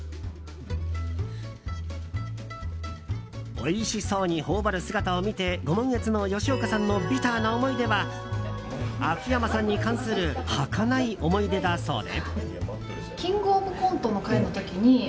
おいしそうに頬張る姿を見てご満悦の吉岡さんのビターな思い出は秋山さんに関するはかない思い出だそうで。